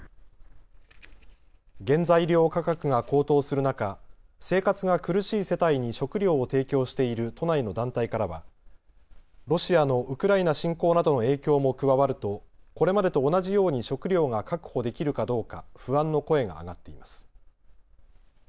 原材料価格が高騰する中、生活が苦しい世帯に食料を提供している都内の団体からはロシアのウクライナ侵攻などの影響も加わるとこれまでと同じように食料が確保できるかどうか不安の声が上がっています。